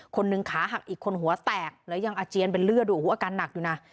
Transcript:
คนหนึ่งขาหักอีกคนหัวแตกแล้วยังอาเจียนเป็นเลือดอยู่โอ้โหอาการหนักอยู่นะ